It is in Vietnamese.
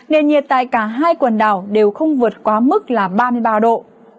nền nhiệt tại cả hai quần đảo đều không vượt quá mức là ba mươi ba độ